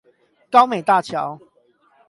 高美大橋